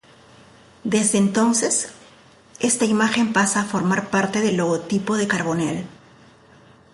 Desde entonces, esta imagen pasa a formar parte del logotipo de Carbonell.